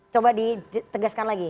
coba ditegaskan lagi